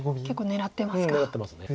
結構狙ってますか。